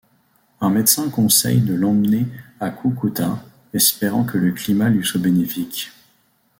Un médecin conseille de l'emmener à Cúcuta, espérant que le climat lui soit bénéfique.